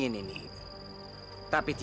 aku akan menang